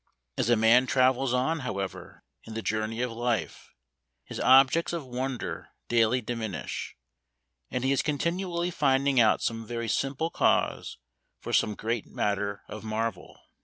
As a man travels on, however, in the journey of life, his objects of wonder daily diminish, and he is continually finding out some very simple cause for some great matter of marvel.